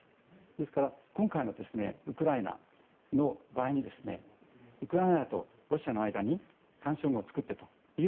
ですから今回のウクライナの場合にウクライナとロシアの間に緩衝を作ってという。